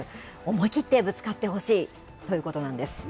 思い切ってぶつかってほしいということなんです。